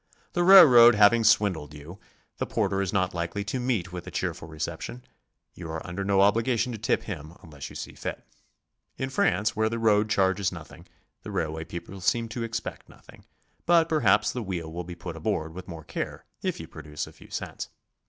The railroad having swindled you, the porter is not likely to meet with a cheerful reception; you are under no obligation to tip him unless you see fit. In France, where the road charges nothing, the railway people seem to expect nothing, but perhaps the wheel will be put aboard with more care if you produce a few cents.